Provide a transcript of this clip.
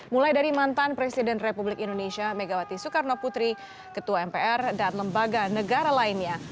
mulai dari mantan presiden republik indonesia megawati soekarno putri ketua mpr dan lembaga negara lainnya